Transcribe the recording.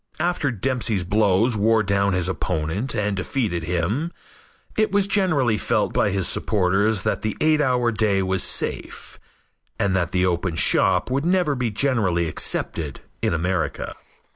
After Dempsey's blows wore down his opponent and defeated him, it was generally felt by his supporters that the eight hour day was safe, and that the open shop would never be generally accepted in America.